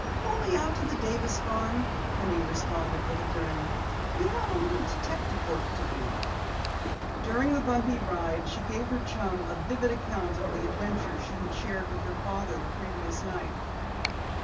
"Only out to the Davis farm," Penny responded with a grin. "We have a little detective work to do." During the bumpy ride, she gave her chum a vivid account of the adventure she had shared with her father the previous night.